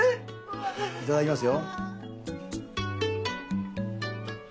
いただきますよ。